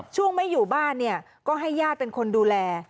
ช่วงไม่อยู่บ้านเนี่ยก็ให้ญาติเป็นคนดูแล